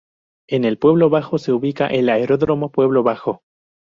En Puelo Bajo se ubica el Aeródromo Puelo Bajo.